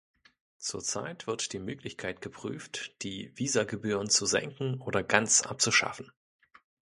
Zurzeit wird die Möglichkeit geprüft, die Visagebühren zu senken oder ganz abzuschaffen.